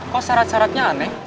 kok syarat syaratnya aneh